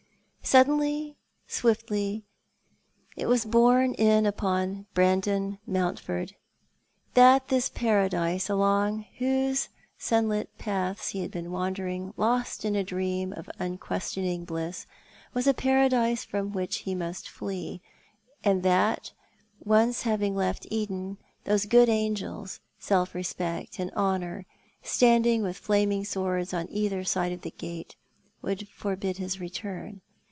Suddenly, swiftly it was borne in upon Brandon Mountford that this Paradise along whose sunlit paths he had been wander ing, lost in a dream of unquestioning bliss — was a Paradise from which he must flee; and that, once having left Eden, those Dreaming and Waking. 91 good angels, Self respect and Honour, standing with flaming swords on either side of the gate, would forbid his return.